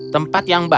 tempat yang terbaik